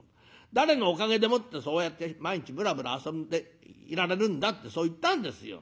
『誰のおかげでもってそうやって毎日ぶらぶら遊んでいられるんだ』ってそう言ったんですよ。